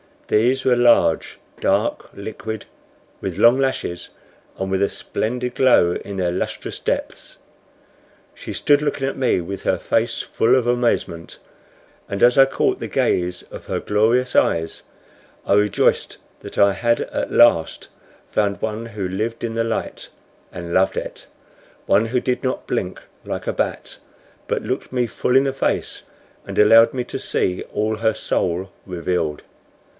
These were large, dark, liquid, with long lashes, and with a splendid glow in their lustrous depths. She stood looking at me with her face full of amazement; and as I caught the gaze of her glorious eyes I rejoiced that I had at last found one who lived in the light and loved it one who did not blink like a bat, but looked me full in the face, and allowed me to see all her soul revealed.